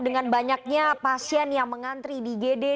dengan banyaknya pasien yang mengantri di igd